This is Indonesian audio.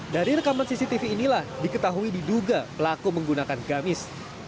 dari rekaman cctv inilah diketahui diduga pelaku menggunakan gamis